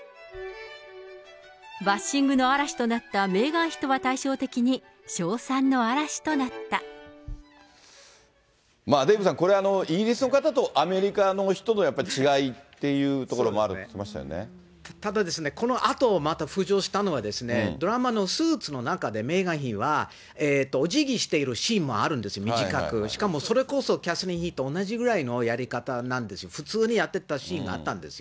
バッシングの嵐となったメーガン妃とは対照的に称賛の嵐となデーブさん、これ、イギリスの方とアメリカの人とのやっぱり違いっていうところもあただ、このあと、また浮上したのはドラマのスーツの中で、メーガン妃はおじぎしているシーンもあるんです、短く、しかもそれこそキャサリン妃と同じぐらいのやり方なんですよ、普通にやってたシーンがあったんですよ。